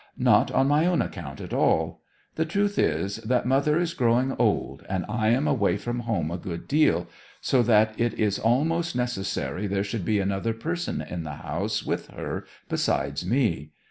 Not on my own account at all. The truth is, that mother is growing old, and I am away from home a good deal, so that it is almost necessary there should be another person in the house with her besides me.